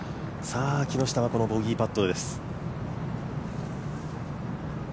木下はこのボギーパットです。